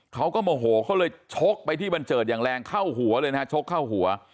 โมโหเขาเลยชกไปที่บันเจิดอย่างแรงเข้าหัวเลยนะฮะชกเข้าหัว